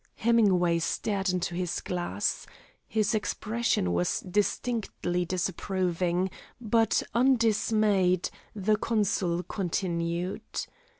Hemingway stared into his glass. His expression was distinctly disapproving, but, undismayed, the consul continued.